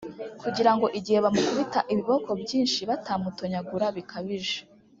kugira ngo igihe bamukubita ibiboko byinshi batamutonyagura bikabije,